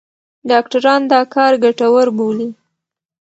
ډاکټران دا کار ګټور بولي.